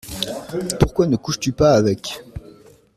Pourquoi ne couches-tu pas avec ?